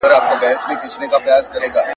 د نظر څښتنان وايي چي